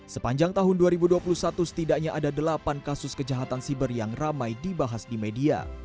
sepanjang tahun dua ribu dua puluh satu setidaknya ada delapan kasus kejahatan siber yang ramai dibahas di media